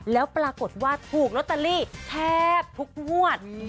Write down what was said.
แล้วปรากฏว่าถูกลอตเตอรี่แทบทุกงวด